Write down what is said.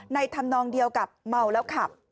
ทำนองเดียวกับเมาแล้วขับ